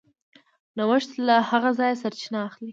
نوښت له هغه ځایه سرچینه اخلي.